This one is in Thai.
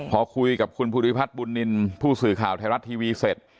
พอคุยกับคุณภูริพัฒน์บุญนินทร์ผู้สื่อข่าวไทยรัฐทีวีเสร็จ